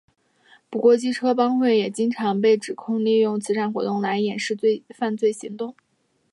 不过机车帮会也经常被指控利用慈善活动来掩饰犯罪行为。